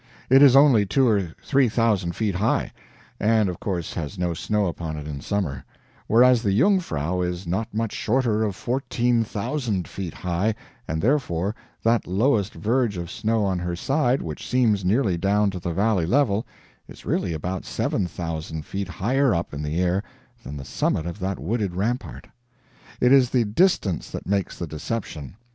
It is only two or three thousand feet high, and of course has no snow upon it in summer, whereas the Jungfrau is not much shorter of fourteen thousand feet high and therefore that lowest verge of snow on her side, which seems nearly down to the valley level, is really about seven thousand feet higher up in the air than the summit of that wooded rampart. It is the distance that makes the deception.